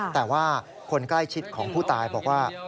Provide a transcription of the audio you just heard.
แต่ว่าคนใกล้ชิดของผู้ตายบอกว่า